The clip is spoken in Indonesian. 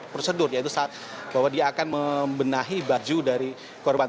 ini juga prosedur yaitu saat bahwa dia akan membenahi baju dari korban